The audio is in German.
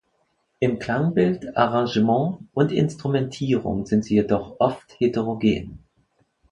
Im Klangbild, Arrangement und Instrumentierung sind sie jedoch oft heterogen.